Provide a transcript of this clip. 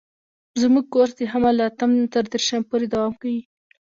زموږ کورس د حمل له اتم تر دېرشم پورې دوام کوي.